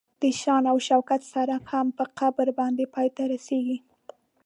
د شان او شوکت سړک هم په قبر باندې پای ته رسیږي.